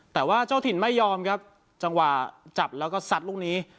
แต่ว่าเจ้าถิ่นไม่ยอมครับจังหวะจับแล้วก็ซัดลูกนี้